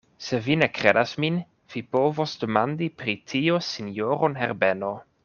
Se vi ne kredas min, vi povos demandi pri tio sinjoron Herbeno.